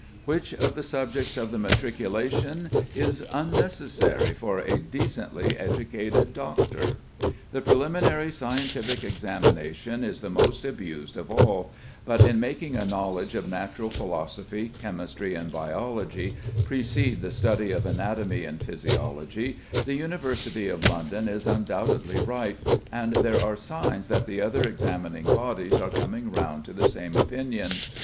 Which of the subjects of the matriculation is unnecessary for a decently educated doctor? [Illustration: LONDON UNIVERSITY, BURLINGTON GARDENS.] The Preliminary Scientific Examination is the most abused of all, but in making a knowledge of natural philosophy, chemistry, and biology precede the study of anatomy and physiology the University of London is undoubtedly right, and there are signs that the other examining bodies are coming round to the same opinion.